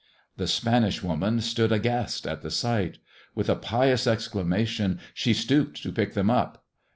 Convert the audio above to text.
The Spanish woman stood aghast at the sight. With a pious exclamation she stooped to pick them up.